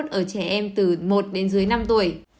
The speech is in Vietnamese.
trẻ em từ một đến dưới năm tuổi